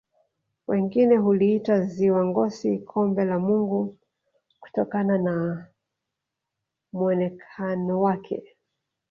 wengine huliita ziwa ngosi kombe la mungu kutokana na muonekano wake